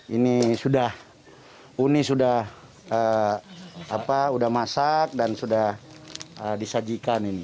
ini sudah uni sudah masak dan sudah disajikan ini